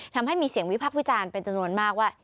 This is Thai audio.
ทำให้มีเสียงวิพักษ์วิจารณ์เป็นจำนวนมากว่า